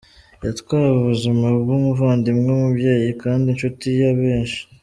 Yatwaye ubuzima bw’umuvandimwe, umubyeyi kandi inshuti ya benshi.